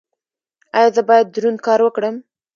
ایا زه باید دروند کار وکړم؟